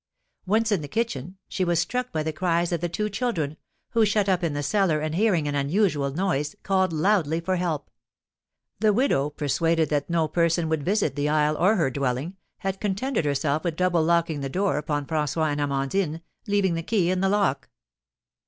Once in the kitchen she was struck by the cries of the two children, who, shut up in the cellar, and hearing an unusual noise, called loudly for help. The widow, persuaded that no person would visit the isle or her dwelling, had contented herself with double locking the door upon François and Amandine, leaving the key in the lock.